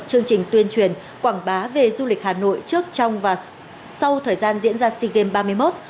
chương trình tuyên truyền quảng bá về du lịch hà nội trước trong và sau thời gian diễn ra sea games ba mươi một